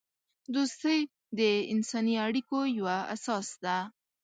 دوستی د انسانی اړیکو یوه اساس ده.